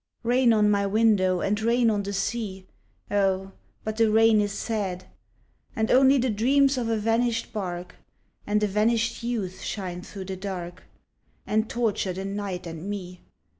Rain on my window and rain on the sea (Oh, but the rain is sad), And only the dreams of a vanished barque And a vanished youth shine through the dark, And torture the night and me.